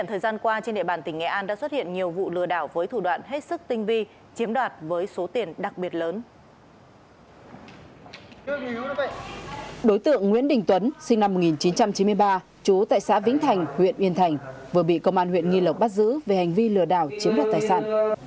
đối tượng nguyễn đình tuấn sinh năm một nghìn chín trăm chín mươi ba chú tại xã vĩnh thành huyện yên thành vừa bị công an huyện nghi lộc bắt giữ về hành vi lừa đảo chiếm đoạt tài sản